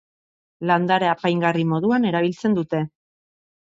Landare apaingarri moduan erabiltzen dute.